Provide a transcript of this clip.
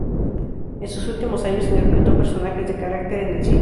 En sus últimos años interpretó personajes de carácter en el cine.